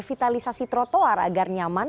revitalisasi trotoar agar nyaman